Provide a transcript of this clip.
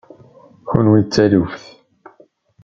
Kenwi d taluft.